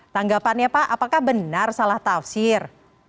tanggapannya pak apakah benar salah tafsir